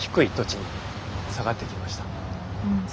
うん下がってきました。